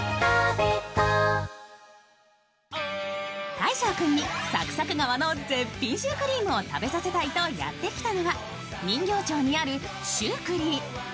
大昇君にサクサク皮の絶品シュークリームを食べさせたいとやってきたのは人形町にあるシュークリー。